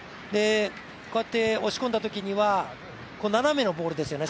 こうやって押し込んだときには斜めのボールですよね。